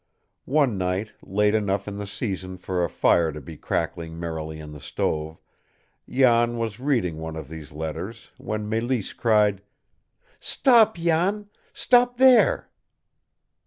One night, late enough in the season for a fire to be crackling merrily in the stove, Jan was reading one of these letters, when Mélisse cried: "Stop, Jan stop THERE!"